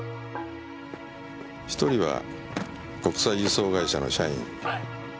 １人は国際輸送会社の社員。